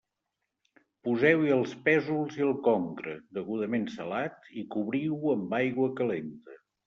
Poseu-hi els pèsols i el congre, degudament salat, i cobriu-ho amb aigua calenta.